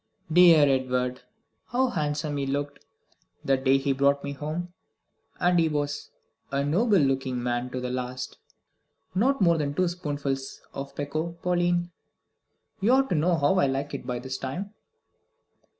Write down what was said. "Dear Edward! How handsome he looked that day he brought me home. And he was a noble looking man to the last. Not more than two spoonfuls of pekoe, Pauline. You ought to know how I like it by this time."